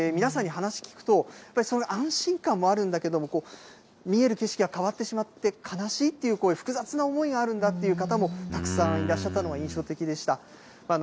皆さんに話聞くと、その安心感もあるんだけれども、見える景色が変わってしまって、悲しいっていう声、複雑な思いがあるんだっていう方もたくさんいらっしゃったのが印象的でした。